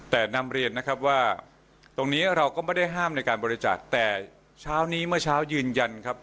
แต่นำเรียนนะครับว่าตรงนี้เราก็ไม่ได้ห้ามในการบริจาคแต่เช้านี้เมื่อเช้ายืนยันครับ